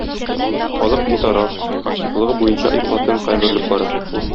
Халык – битараф, активлыгы буенча импотентка әверелеп бара.